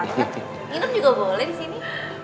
nginep juga boleh di sini